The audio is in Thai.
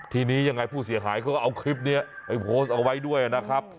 ทีนี้ยังไงผู้เสียหายเขาก็เอาคลิปนี้ไปโพสต์เอาไว้ด้วยนะครับ